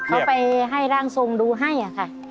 เขาไปให้ร่างทรงดูให้ค่ะ